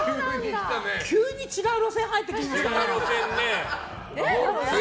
急に違う路線入ってきましたね。